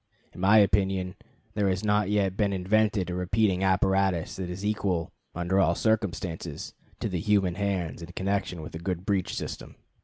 In my opinion there has not yet been invented a repeating apparatus that is equal, under all circumstances, to the human hands in connection with a good breech system.